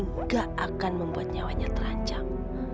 tidak akan membuat nyawanya terancam